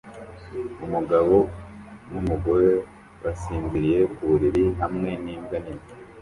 Umugabo numugore basinziriye ku buriri hamwe nimbwa nini